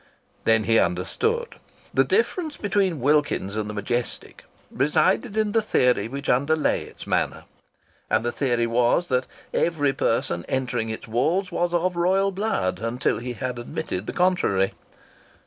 Then he understood. The difference between Wilkins's and the Majestic resided in the theory which underlay its manner. And the theory was that every person entering its walls was of royal blood until he had admitted the contrary.